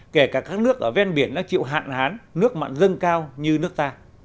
kể cả các nước ở ven biển đang chịu hạn hán nước mạng dân cao như nước ta